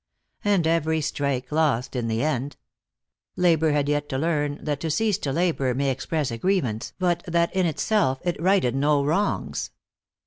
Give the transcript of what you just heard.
And every strike lost in the end. Labor had yet to learn that to cease to labor may express a grievance, but that in itself it righted no wrongs.